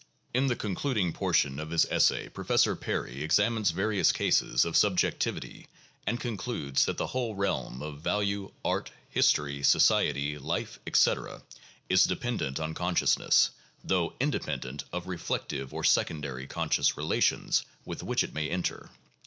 In the concluding portion of this essay, Professor Perry examines various cases of "subjectivity," and concludes that the whole realm of value, art, history, society, life, etc., is dependent on consciousness, though independent of reflective or secondary conscious relations with which it may enter.